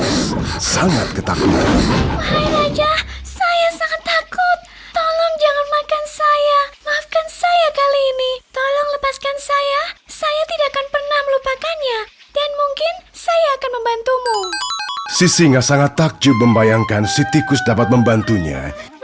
sisi ngasanga takjub membayangkan sitikus dapat membantunya